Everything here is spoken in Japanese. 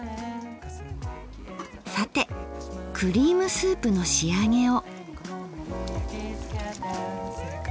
さてクリームスープの仕上げを。